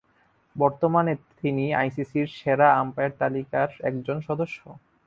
বর্তমানে তিনি আইসিসি’র সেরা আম্পায়ার তালিকার একজন সদস্য।